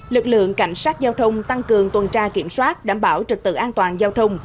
lực lượng cảnh sát giao thông tăng cường tuần tra kiểm soát đảm bảo trực tự an toàn giao thông